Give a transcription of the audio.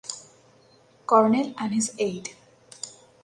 Colonel and his aide.